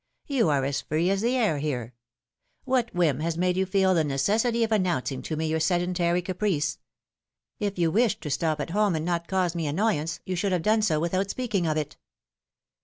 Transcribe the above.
You are as free as the air here. What whim has made you feel the necessity of announcing to me your sedentary caprice? If you wished to stop at home, and not cause me annoyance, you should have done so without speaking of it